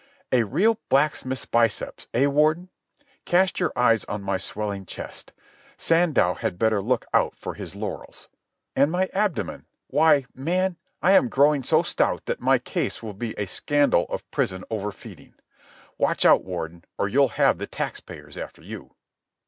"A real blacksmith's biceps, eh, Warden? Cast your eyes on my swelling chest. Sandow had better look out for his laurels. And my abdomen—why, man, I am growing so stout that my case will be a scandal of prison overfeeding. Watch out, Warden, or you'll have the taxpayers after you."